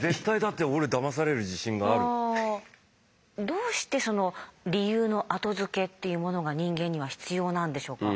どうして理由の後付けっていうものが人間には必要なんでしょうか？